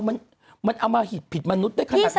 คุณหนุ่มกัญชัยได้เล่าใหญ่ใจความไปสักส่วนใหญ่แล้ว